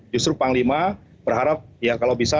justru panglima berharap ya kalau bisa